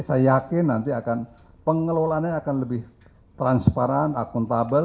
saya yakin nanti akan pengelolaannya akan lebih transparan akuntabel